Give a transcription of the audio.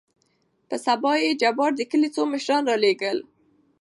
په سبا يې جبار دکلي څو مشران رالېږل.